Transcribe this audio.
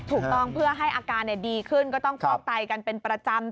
ถูกต้องเพื่อให้อาการดีขึ้นก็ต้องฟอกไตกันเป็นประจำ